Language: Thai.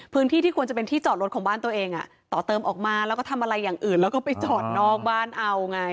ที่ควรจะเป็นที่จอดรถของบ้านตัวเองต่อเติมออกมาแล้วก็ทำอะไรอย่างอื่นแล้วก็ไปจอดนอกบ้านเอาไง